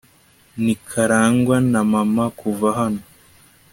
ni karangwa na mama kuva hano